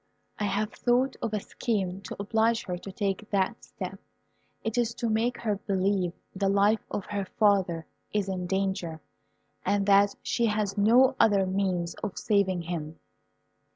I have thought of a scheme to oblige her to take that step. It is to make her believe the life of her father is in danger, and that she has no other means of saving him.